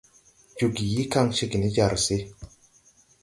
Jooge yii kaŋ cégè ne jar se.